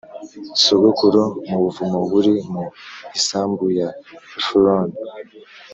sogokuru mu buvumo buri mu isambu ya Efuroni